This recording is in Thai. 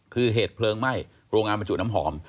คือเหตุเพลิงไหม้โรงงานบรรจุน้ำหอม